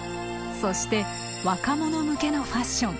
そして若者向けのファッション。